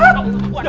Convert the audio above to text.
kamu semua ada